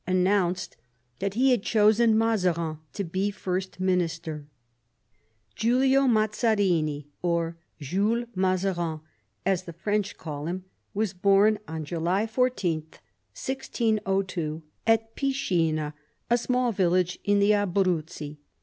announced that he had chosen Mazarin to be First Minister. Giulio Mazarini, or Jules. Mazarin, as the French call him, was born on July 14, 1602, at Piscina, a small village in the Abruzzi.